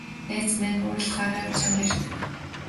Найз маань уурлахаараа чанга ярьдаг.